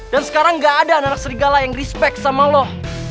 dan sekarang gak ada anak anak serigala yang respect sama lo